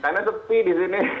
karena tepi di sini